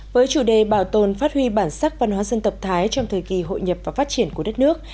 với chủ đề bảo tồn phát huy bản sắc văn hóa dân tộc thái trong thời kỳ hội nhập và phát triển của đất nước